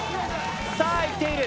さあいっている。